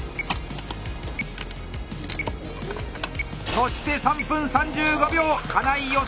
そして３分３５秒金井予選